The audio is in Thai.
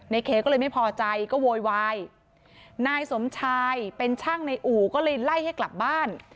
เคก็เลยไม่พอใจก็โวยวายนายสมชายเป็นช่างในอู่ก็เลยไล่ให้กลับบ้าน